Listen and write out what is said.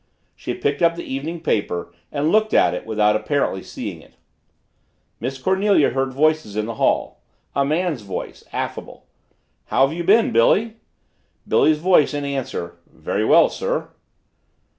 She picked up the evening paper and looked at it without apparently seeing it. Miss Cornelia heard voices in the hall a man's voice affable "How have you been, Billy?" Billy's voice in answer, "Very well, sir."